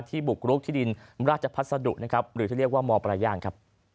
ที่บุกลุกที่ดินราชภัสดุหรือที่เรียกว่ามปราย่า